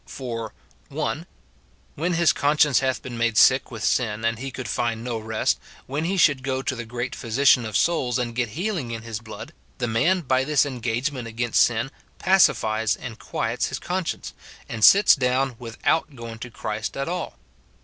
For, — [1.] When his conscience hath been made sick with sin, and he could find no rest, when he should go to the great Physician of souls, and get healing in his blood, the man by this engagement against sin pacifies and quiets his conscience, and sits down without going to Christ at all.